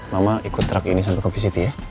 mama ikut truk ini sampai covisity ya